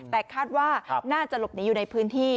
แต่คาดว่าน่าจะหลบหนีอยู่ในพื้นที่